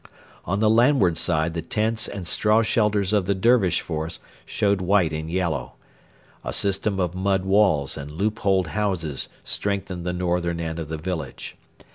On the landward side the tents and straw shelters of the Dervish force showed white and yellow. A system of mud walls and loop holed houses strengthened the northern end of the village.